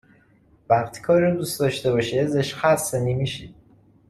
وقتی کاری رو دوست داشته باشی ازش خسته نمی شی